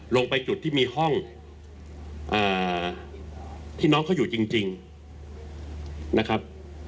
ลงไปจุดที่มีห้องที่น้องเขาอยู่จริงนะครับ